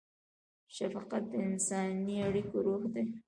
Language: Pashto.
شفقت د انساني اړیکو روح دی.